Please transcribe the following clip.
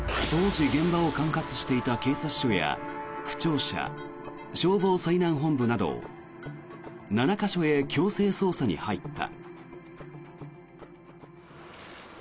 当時、現場を管轄していた警察署や区庁舎消防災難本部など７か所へ強制捜査に入った。